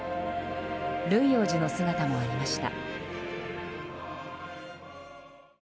ルイ王子の姿もありました。